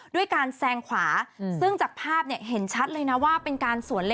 ด้วยการแซงขวาซึ่งจากภาพเนี่ยเห็นชัดเลยนะว่าเป็นการสวนเล